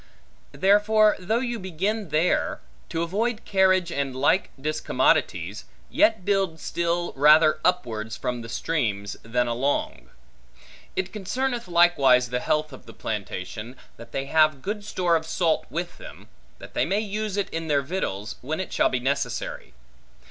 Therefore, though you begin there, to avoid carriage and like discommodities, yet build still rather upwards from the streams, than along. It concerneth likewise the health of the plantation, that they have good store of salt with them, that they may use it in their victuals, when it shall be necessary.